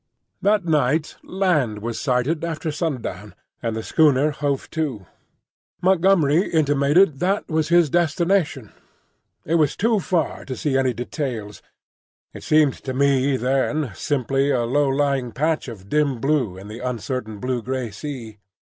That night land was sighted after sundown, and the schooner hove to. Montgomery intimated that was his destination. It was too far to see any details; it seemed to me then simply a low lying patch of dim blue in the uncertain blue grey sea.